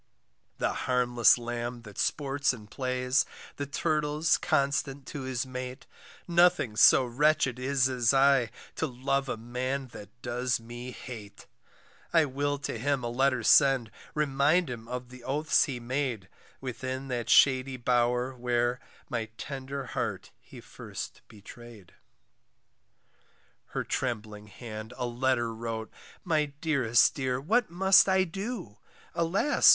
The harmless lamb that sports and plays, The turtle's constant to his mate, Nothing so wretched is as I, To love a man that does me hate. I will to him a letter send, Remind him of the oaths he made Within that shady bower, where My tender heart he first betray'd. Her trembling hand a letter wrote, My dearest dear, what must I do? Alas!